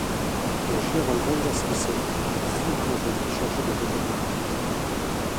Le général Van Der Smissen fut quant à lui chargé de rétablir l'ordre.